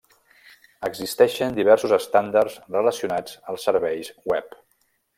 Existeixen diversos estàndards relacionats als serveis web.